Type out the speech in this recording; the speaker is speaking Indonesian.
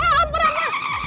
eh om puranta